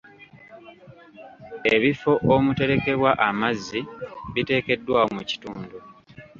Ebifo omuterekebwa amazzi biteekeddwawo mu kitundu.